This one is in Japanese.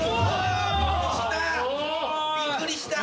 びっくりした。